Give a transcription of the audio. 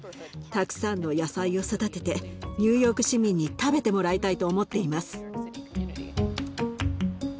たくさんの野菜を育ててニューヨーク市民に食べてもらいたいと思っています。